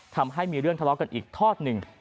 ทำให้มีเรื่องทะเลาะกันอีกทอดหนึ่ง